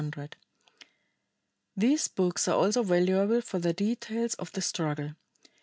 These books are also valuable for their details of the struggle.